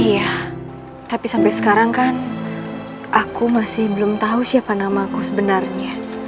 iya tapi sampai sekarang kan aku masih belum tahu siapa nama aku sebenarnya